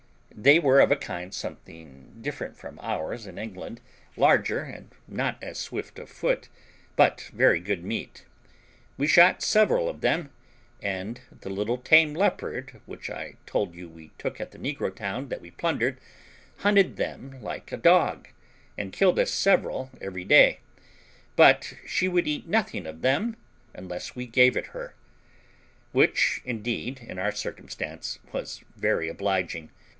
They were of a kind something different from ours in England, larger and not as swift of foot, but very good meat. We shot several of them, and the little tame leopard, which I told you we took at the negro town that we plundered, hunted them like a dog, and killed us several every day; but she would eat nothing of them unless we gave it her, which, indeed, in our circumstance, was very obliging.